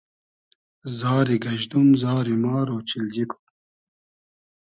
زاری گئژدوم ، زاری مار اۉچیلجی کو